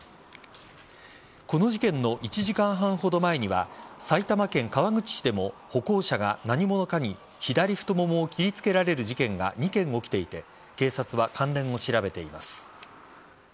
この事件の１時間半ほど前には埼玉県川口市でも歩行者が何者かに左太ももを切りつけられる事件が２件起きていて警察は関連を調べています。